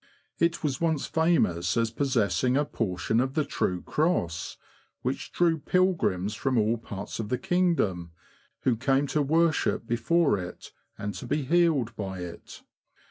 It was once famous as possessing a portion of the true Cross, w^hich drew pilgrims from all parts of the kingdom, who came to worship before it, and to be healed by it.